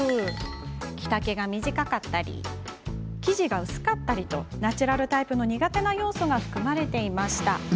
着丈が短かったり生地が薄かったりとナチュラルタイプの苦手な要素が含まれていました。